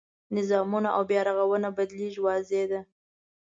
نظامونه او بیرغونه بدلېږي واضح ده.